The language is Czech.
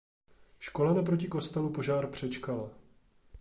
Škola naproti kostelu požár přečkala.